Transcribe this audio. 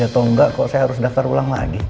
atau enggak kok saya harus daftar ulang lagi